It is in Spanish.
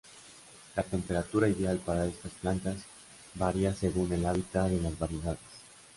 La temperatura ideal para estas plantas varía según el hábitat de las variedades.